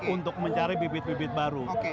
untuk mencari bibit bibit baru